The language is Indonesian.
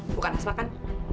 bukan asma kan